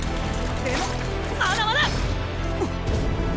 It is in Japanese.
でもまだまだ！あっ。